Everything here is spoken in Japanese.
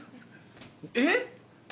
えっ？